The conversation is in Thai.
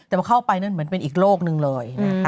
เราเข้าไปนั่นเหมือนเป็นอีกโลกนึงเลย